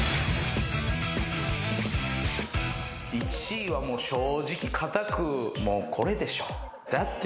１位はもう正直かたくこれでしょ。だって。